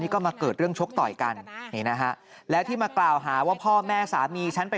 ก็เลยเรียกร้านแล้วก็เลยไป